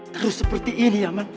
terus seperti ini ya mas